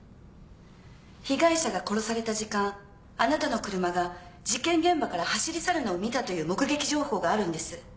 被害者が殺された時間あなたの車が事件現場から走り去るのを見たという目撃情報があるんです。